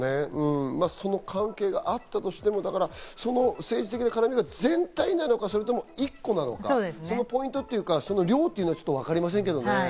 その関係があったとしても政治的な絡みが全体なのか、１個なのか、そのポイントというか量というのは分かりませんけどね。